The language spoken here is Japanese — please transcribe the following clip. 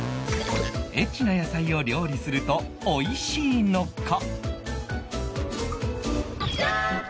エッチな野菜を料理すると美味しいのか？